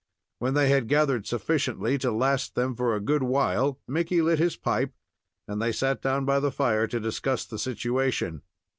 When they had gathered sufficiently to last them for a good while, Mickey lit his pipe, and they sat down by the fire to discuss the situation.